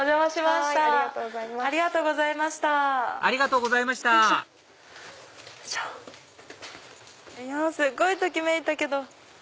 すっごいときめいたけど。